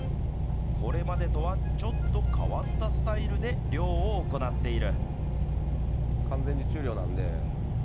これまでとはちょっと変わったスタイルで漁を行っている。